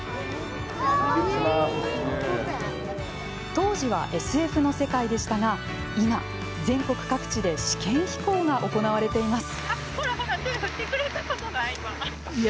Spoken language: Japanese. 当時はＳＦの世界でしたが今、全国各地で試験飛行が行われています。